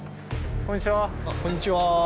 こんにちは。